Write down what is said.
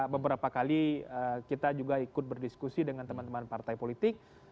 beberapa kali kita juga ikut berdiskusi dengan teman teman partai politik